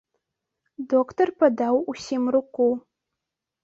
Доктар падаў усім руку.